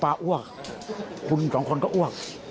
ผมป้าอ้วกคุณสองคนก็อ้วก